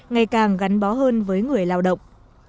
ngày càng gắn bó hơn với người lao động